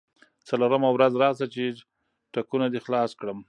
څلورمه ورځ راشه چې ټکونه دې خلاص کړم.